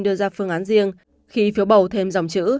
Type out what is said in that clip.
đưa ra phương án riêng khi phiếu bầu thêm dòng chữ